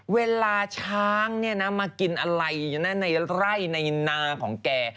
เวลาช้างมากินอะไรอยู่ในไร่ในนาของแก